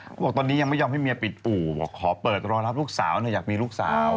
เขาบอกตอนนี้ยังไม่ยอมให้เมียปิดอู่บอกขอเปิดรอรับลูกสาวอยากมีลูกสาว